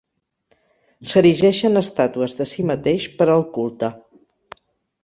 S'erigeixen estàtues de si mateix per al culte.